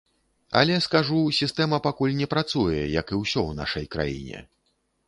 Але скажу, сістэма пакуль не працуе, як і ўсё ў нашай краіне.